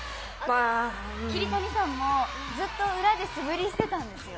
桐谷さんもずっと裏で素振りしてたんですよ。